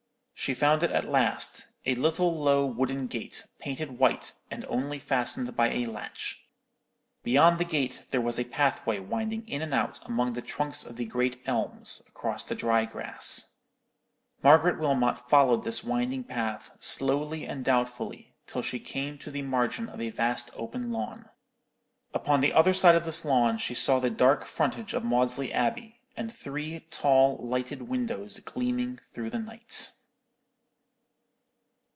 She found it at last; a little low wooden gate, painted white, and only fastened by a latch. Beyond the gate there was a pathway winding in and out among the trunks of the great elms, across the dry grass. Margaret Wilmot followed this winding path, slowly and doubtfully, till she came to the margin of a vast open lawn. Upon the other side of this lawn she saw the dark frontage of Maudesley Abbey, and three tall lighted windows gleaming through the night.